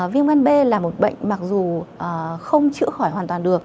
viêm gan b là một bệnh mặc dù không chữa khỏi hoàn toàn được